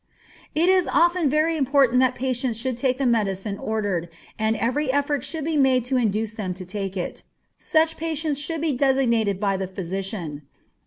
It is often very important that patients should take the medicine ordered, and every effort should be made to induce them to take it. Such patients should be designated by the physician.